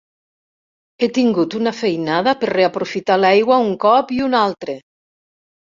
He tingut una feinada per reaprofitar l'aigua un cop i un altre.